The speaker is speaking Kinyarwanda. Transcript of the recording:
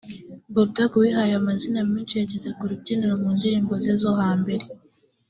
Bull Dog wihaye amazina menshi yageze ku rubyiniro mu ndirimbo ze zo hambere